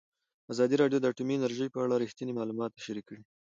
ازادي راډیو د اټومي انرژي په اړه رښتیني معلومات شریک کړي.